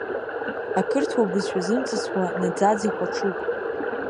Ақырҭуа бызшәа зымҵысуа, наӡаӡа ихәаҽуп.